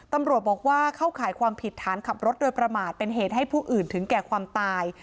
ตำรวจบอกว่าเข้าข่ายความผิดฐานขับรถโดยประมาทเป็นเหตุให้ผู้อื่นถึงแก่ความตาย